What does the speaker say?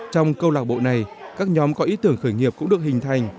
trong câu lạc bộ này các nhóm có ý tưởng khởi nghiệp cũng được hình thành